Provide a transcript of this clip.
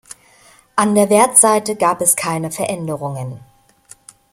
An der Wertseite gab es keine Veränderungen.